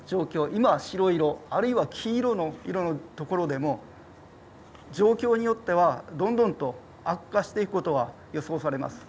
今は白色、あるいは黄色の所でも状況によってはどんどんと悪化していくことが予想されます。